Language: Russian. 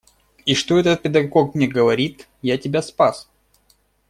И что этот педагог мне говорит: я тебя спас.